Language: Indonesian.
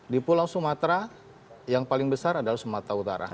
di pulau sumatera yang paling besar adalah sumatera utara